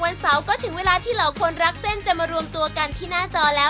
แล้วก็กลับมาเปิดร้านอาหารที่นี่เลย